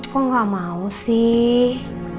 kok gak mau sih